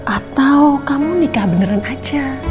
atau kamu nikah beneran aja